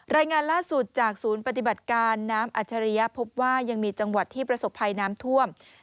รายงานล่าสุดจากศูนย์ปฏิบัติการน้ำอัจฉริยะพบว่ายังมีจังหวัดที่ประสบภัยน้ำท่วม